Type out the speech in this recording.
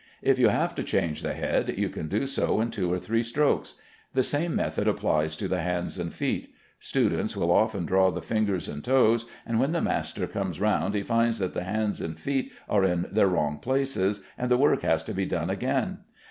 If you have to change the head, you can do so in two or three strokes. The same method applies to the hands and feet. Students will often draw the fingers and toes, and when the master comes round he finds that the hands and feet are in their wrong places, and the work has to be done again.